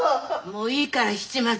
もういいから七松。